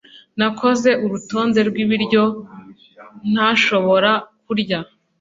Nakoze urutonde rwibiryo ntashobora kurya.